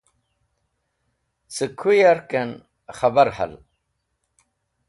Cẽ khũ yarkẽn k̃hẽbar hal.